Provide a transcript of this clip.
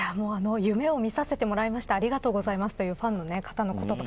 夢を見させてもらいましたありがとうございますというファンの方の言葉